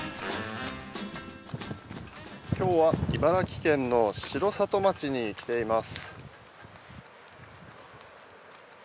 今日は茨城県の城里町に来ています。